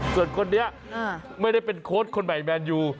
ส่วนคนนี้ไม่ได้เป็นโค้ดคนใหม่แมนยู